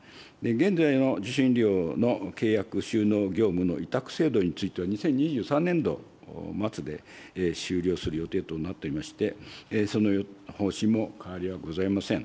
現在の受信料の契約・収納業務の委託制度については、２０２３年度末で終了する予定となっていまして、その方針も変わりはございません。